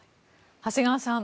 長谷川さん